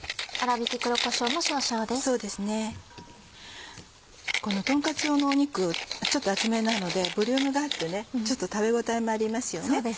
このとんカツ用の肉ちょっと厚めなのでボリュームがあって食べ応えもありますよね。